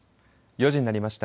４時になりました。